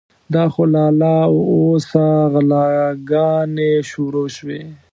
دا خو لا له اوسه غلاګانې شروع شوې.